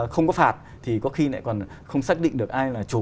không có phạt thì có khi lại còn không xác định được ai là chủ